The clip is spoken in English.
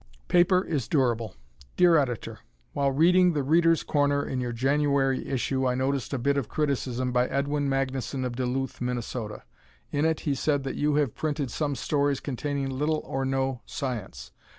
"Paper Is Durable" Dear Editor: While reading "The Readers' Corner" in your January issue I noticed a bit of criticism by Edwin Magnuson of Duluth, Minn. In it he said that you have printed some stories containing little or no science.